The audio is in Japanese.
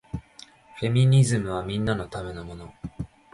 フェミニズムはみんなのためのもの